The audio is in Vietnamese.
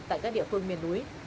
tại các địa phương miền núi